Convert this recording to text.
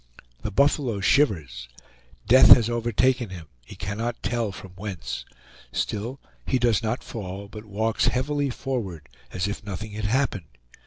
The buffalo shivers; death has overtaken him, he cannot tell from whence; still he does not fall, but walks heavily forward, as if nothing had happened.